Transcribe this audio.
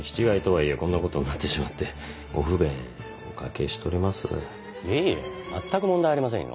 いえいえ全く問題ありませんよ。